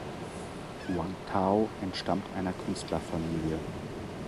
Wang Tao entstammt einer Künstlerfamilie.